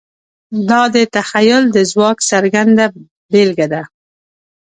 دا د تخیل د ځواک څرګنده بېلګه ده.